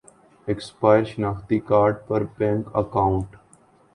expire شناختی card پر bank account